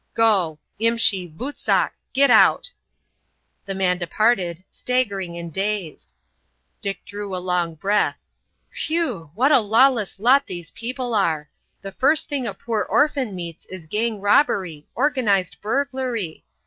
Go! Imshi, Vootsak,—get out!" The man departed, staggering and dazed. Dick drew a long breath: "Phew! what a lawless lot these people are! The first thing a poor orphan meets is gang robbery, organised burglary!